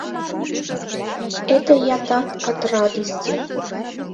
Это я так, от радости.